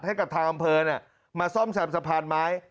ให้กับทางบำเพิ่งเนี่ยมาซ่อมแสบสะพานไม้